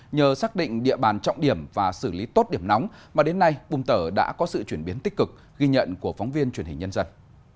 nhờ xác định địa bàn trọng điểm và xử lý tốt điểm nóng mà đến nay bùm tở đã có sự chuyển biến tích cực ghi nhận của phóng viên truyền hình nhân dân